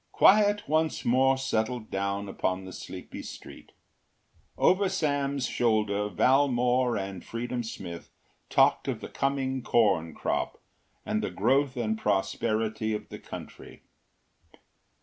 Quiet once more settled down upon the sleepy street. Over Sam’s shoulder, Valmore and Freedom Smith talked of the coming corn crop and the growth and prosperity of the country.